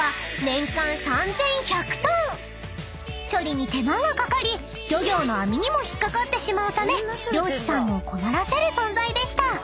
［処理に手間がかかり漁業の網にも引っ掛かってしまうため漁師さんを困らせる存在でした］